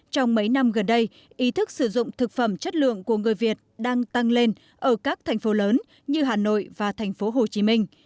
trong mấy năm gần đây ý thức sử dụng thực phẩm chất lượng của người việt đang tăng lên ở các thành phố lớn như hà nội và thành phố hồ chí minh